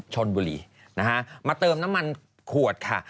ชนบุรีนะฮะมาเติมน้ำมันขวดค่ะ